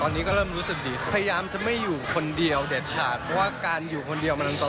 ตอนนี้ก็เริ่มรู้สึกดีครับเผยามจะอยู่มันคนเดียวเด็ดขาด